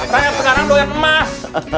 rayab sekarang doyan emas